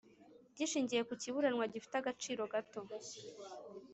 Gishingiye ku kiburanwa gifite agaciro gato